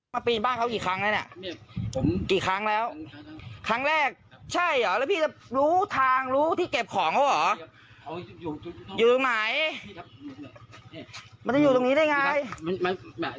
มันจะอยู่ตรงไหนมันจะอยู่ตรงนี้ได้ไง